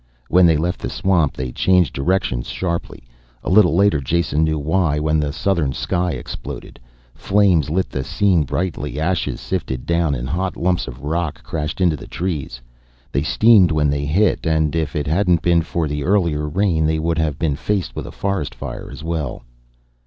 When they left the swamp they changed directions sharply. A little later Jason knew why, when the southern sky exploded. Flames lit the scene brightly, ashes sifted down and hot lumps of rock crashed into the trees. They steamed when they hit, and if it hadn't been for the earlier rain they would have been faced with a forest fire as well.